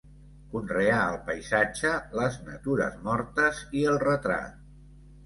Conreà el paisatge, les natures mortes i el retrat.